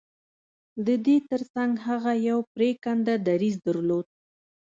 د دې ترڅنګ هغه يو پرېکنده دريځ درلود.